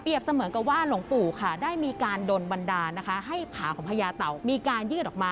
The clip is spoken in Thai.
เปรียบเสมอกับว่าหลวงปู่ค่ะ